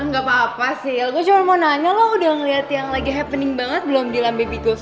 gapapa sheila gue cuma mau nanya lo udah ngeliat yang lagi happening banget belum di lambi vitoos